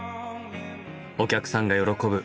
お客さんが喜ぶ